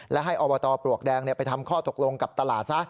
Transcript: และให้อบตปลวกแดงไปทำข้อตกลงกับตลาดซะ